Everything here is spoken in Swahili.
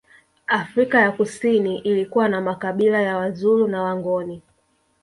Afrika ya Kusini ilikuwa na makabila ya Wazulu na Wangoni